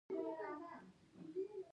امانت کاره ولې باید اوسو؟